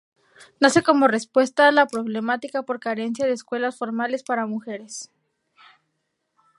Nace como respuesta a la problemática por carencia de escuelas formales para mujeres.